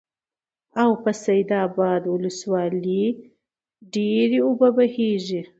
او هم په سيدآباد ولسوالۍ ډېرې اوبه بهيږي،